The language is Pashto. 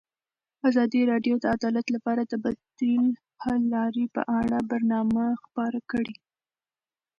ازادي راډیو د عدالت لپاره د بدیل حل لارې په اړه برنامه خپاره کړې.